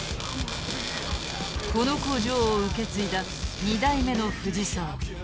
この工場を受け継いだ２代目の藤澤。